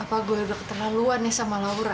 apa gue udah keterlaluan nih sama laura